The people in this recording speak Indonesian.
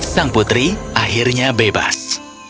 sang putri akhirnya bebas